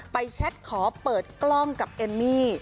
แชทขอเปิดกล้องกับเอมมี่